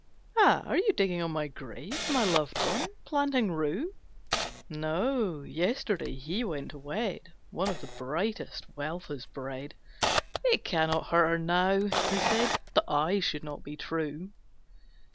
"AH, are you digging on my grave, My loved one? planting rue?" "No: yesterday he went to wed One of the brightest wealth has bred. 'It cannot hurt her now,' he said, 'That I should not be true.'"